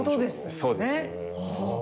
そうですね